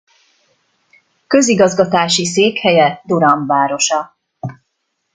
Közigazgatási székhelye Durham városa.